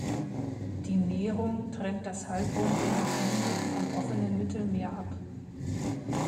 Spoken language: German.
Die Nehrung trennt das Halbrund der Lagune vom offenen Mittelmeer ab.